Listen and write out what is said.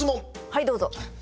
はいどうぞ。